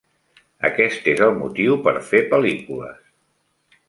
Aquest és el motiu per fer pel·lícules.